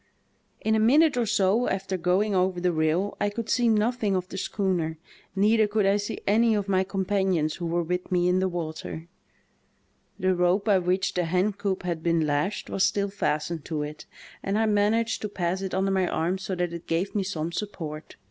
^'In a minute or so after going over the rail I could see nothing of the schooner; neither could I see any of my companions who were with me in the water. The rope by which the hencoop had been lashed was still fastened to it, and I managed 148 THE TALKING HANDKERCHIEF. to pass it under my arms so that it gave me some support.